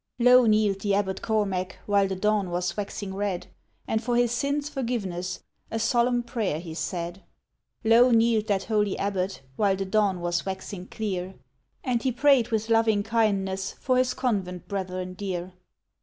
Low kneel'd the Abbot Cormac while the dawn was waxing red; And for his sins' forgiveness a solemn prayer he said: Low kneel'd that holy Abbot while the dawn was waxing clear; And he pray'd with loving kindness for his convent brethren dear.